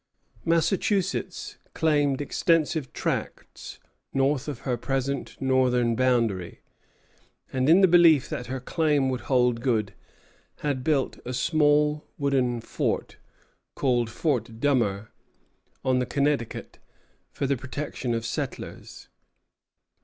Massachusetts claimed extensive tracts north of her present northern boundary, and in the belief that her claim would hold good, had built a small wooden fort, called Fort Dummer, on the Connecticut, for the protection of settlers.